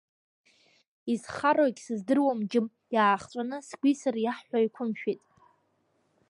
Исхароу егьсыздыруам, џьым, иаахҵәаны, сгәи сареи иаҳҳәо еиқәымшәеит…